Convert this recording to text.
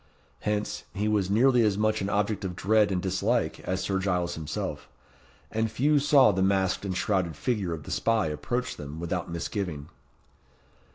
Hence, he was nearly as much an object of dread and dislike as Sir Giles himself, and few saw the masked and shrouded figure of the spy approach them without misgiving.